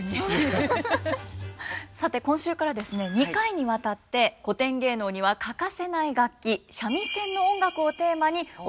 さて今週からですね２回にわたって古典芸能には欠かせない楽器三味線の音楽をテーマにお送りいたします。